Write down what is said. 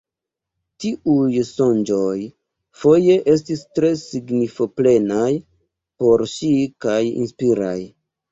Tiuj sonĝoj foje estis tre signifo-plenaj por ŝi kaj inspiraj.